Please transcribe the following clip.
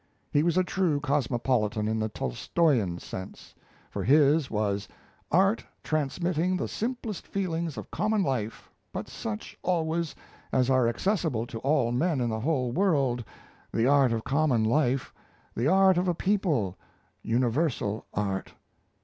He was a true cosmopolitan in the Tolstoyan sense; for his was "art transmitting the simplest feelings of common life, but such, always, as are accessible to all men in the whole world the art of common life the art of a people universal art."